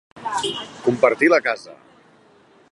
Compartir la casa.